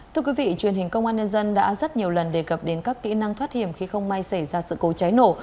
thưa quý vị truyền hình công an nhân dân đã rất nhiều lần đề cập đến các kỹ năng thoát hiểm khi không may xảy ra sự cố cháy nổ